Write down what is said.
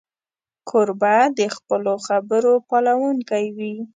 کوربه د خپلو خبرو پالونکی وي.